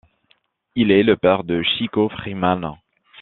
Il est le père de Chico Freeman.